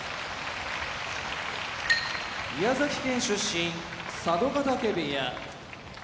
宮崎県出身佐渡ヶ嶽部屋